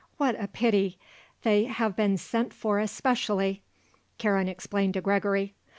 What a pity! They have been sent for specially," Karen explained to Gregory.